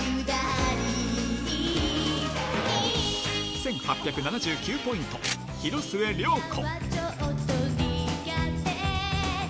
１８７９ポイント、広末涼子。